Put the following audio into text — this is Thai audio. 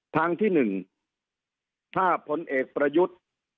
ทางที่๑ถ้าพลเอกประยุทธ์